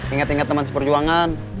ingat ingat teman seperjuangan